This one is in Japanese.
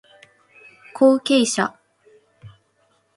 後継者